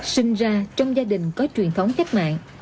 sinh ra trong gia đình có truyền thống cách mạng